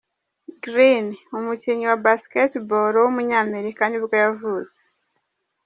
Green, umukinnyi wa basketball w’umunyamerika nibwo yavutse.